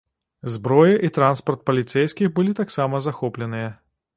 Зброя і транспарт паліцэйскіх былі таксама захопленыя.